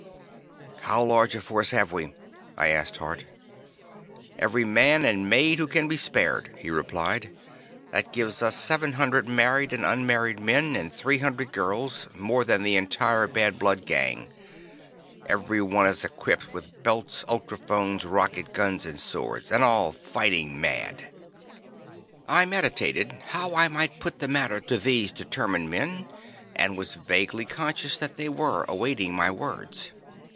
"How large a force have we?" I asked Hart. "Every man and maid who can be spared," he replied. "That gives us seven hundred married and unmarried men, and three hundred girls, more than the entire Bad Blood Gang. Every one is equipped with belts, ultrophones, rocket guns and swords, and all fighting mad." I meditated how I might put the matter to these determined men, and was vaguely conscious that they were awaiting my words.